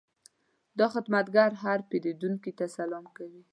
دا خدمتګر هر پیرودونکي ته سلام کوي.